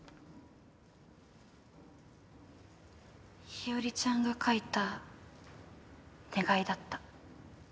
日和ちゃんが書いた願いだった。